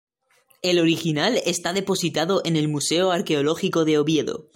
El original está depositado en el Museo Arqueológico de Oviedo.